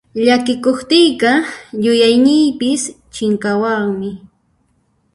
Llakikuqtiyqa yuyayniypis chinkawanmi.